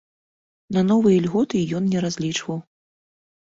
На новыя ільготы ён не разлічваў.